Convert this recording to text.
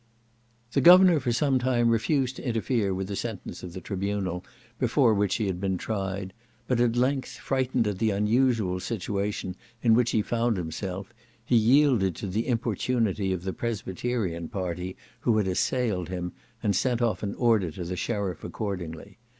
The Governor for some time refused to interfere with the sentence of the tribunal before which he had been tried; but at length, frightened at the unusual situation in which he found himself, he yielded to the importunity of the Presbyterian party who had assailed him, and sent off an order to the sheriff accordingly.